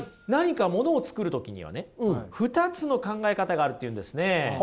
何かものを作る時にはね２つの考え方があるというんですね。